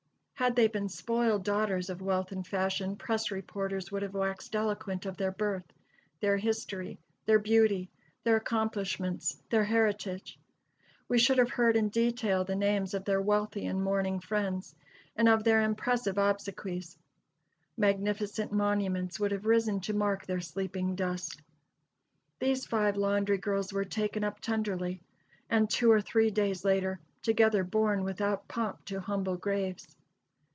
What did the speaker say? Had they been spoiled daughters of wealth and fashion, press reporters would have waxed eloquent of their birth, their history, their beauty, their accomplishments, their heritage. We should have heard in detail the names of their wealthy and mourning friends, and of their impressive obsequies. Magnificent monuments would have risen to mark their sleeping dust. These five laundry girls were taken up tenderly, and two or three days later, together borne without pomp to humble graves.